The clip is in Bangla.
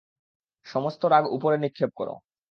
সমস্ত রাগ উপরে নিক্ষেপ কর।